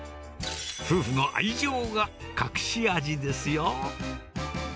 夫婦の愛情が隠し味ですよ。